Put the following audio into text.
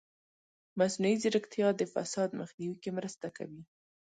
مصنوعي ځیرکتیا د فساد مخنیوي کې مرسته کوي.